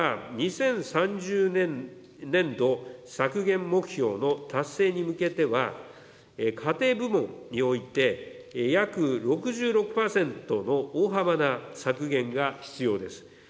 また、２０３０年度削減目標の達成に向けては、家庭部門において約６６％の大幅な削減が必要です。